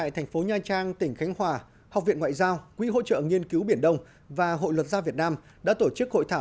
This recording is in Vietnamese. trạm biệt work